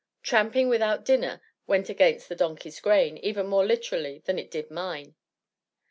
Tramping without dinner went against the donkey's grain even more literally than it did mine.